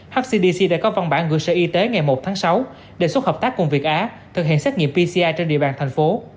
hcdc đã có văn bản gửi sở y tế ngày một tháng sáu đề xuất hợp tác cùng việt á thực hiện xét nghiệm pci trên địa bàn thành phố